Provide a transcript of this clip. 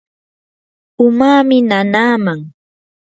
umami nanaaman.